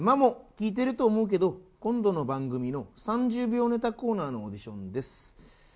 聞いてると思うけど今度の番組の３０秒ネタコーナーのオーディションです。